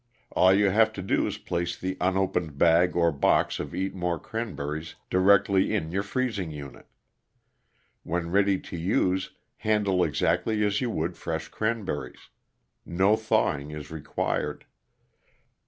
All you have to do is place the unopened bag or box of Eatmor Cranberries directly in your freezing unit. When ready to use handle exactly as you would fresh cranberries. No thawing is required.